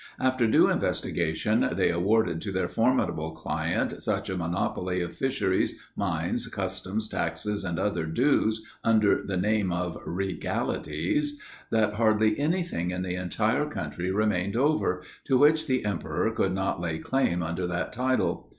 After due investigation, they awarded to their formidable client such a monopoly of fisheries, mines, customs, taxes, and other dues, under the name of regalities, that hardly anything in the entire country remained over, to which the emperor could not lay claim under that title.